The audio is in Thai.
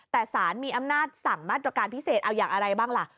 แต่สารมีอำนาจสั่งมาตรการพิเศษเอาอย่างอะไรบ้างล่ะ